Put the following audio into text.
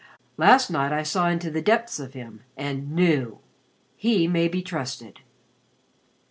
Last night I saw into the depths of him and knew. He may be trusted."